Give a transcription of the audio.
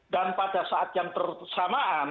dan pada saat yang tersamaan